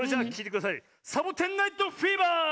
「サボテン・ナイト・フィーバー」！